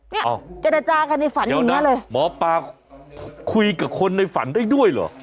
เนี่ยเจรจากันในฝันตรงเนี้ยเลยหมอปลาคุยกับคนในฝันได้ด้วยเหรอ